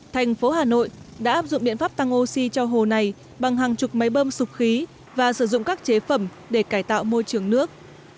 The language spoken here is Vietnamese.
thành phố hà nội đã áp dụng biện pháp tăng oxy cho hồ này bằng hàng chục máy bơm sụp khí và sử dụng các chế phẩm để cải tạo môi trường nước